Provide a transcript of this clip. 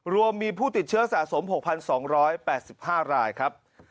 รวมมีผู้ติดเชื้อสะสม๖๒๘๕รายครับ